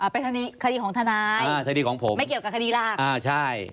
เป็นคดีของทนายไม่เกี่ยวกับคดีราก